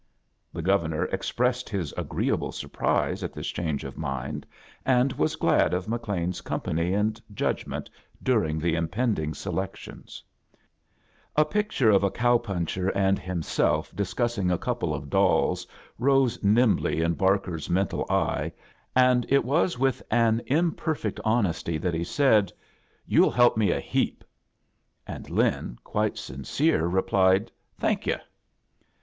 The Governor expressed his agreeable surprise at this change of mind, and was glad of McLean's company and judgment ' during the impending selecttons. A pict A JOURNEY IN SEARCH OF CHRISTMAS (ire of a cow ptincher and himself dis cussh^ a couple of dolls rose nimbly in Barker's mental eye, and it was with an imperfect honesty that he said, "Youll 1^ help me a heap." And Lin, quite sincere, replied, "Thank yu'."